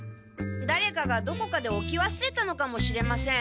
だれかがどこかでおきわすれたのかもしれません。